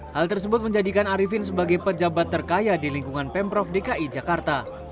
hal tersebut menjadikan arifin sebagai pejabat terkaya di lingkungan pemprov dki jakarta